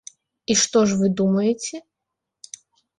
І што ж вы думаеце?